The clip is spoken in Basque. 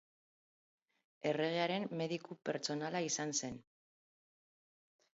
Erregearen mediku pertsonala izan zen.